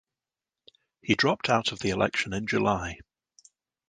He dropped out of the election in July.